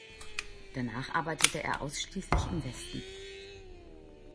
Danach arbeitete er ausschließlich im Westen.